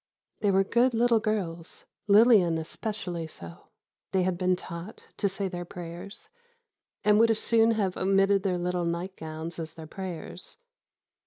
They were good little girls—Lillian especially so. They had been taught to say their prayers, and would as soon have omitted their little nightgowns as their prayers.